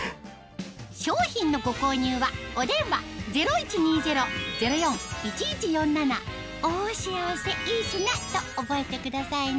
商品のご購入はお電話０１２０−０４−１１４７と覚えてくださいね